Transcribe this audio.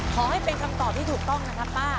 ขอให้เป็นคำตอบที่ถูกต้องนะครับป้า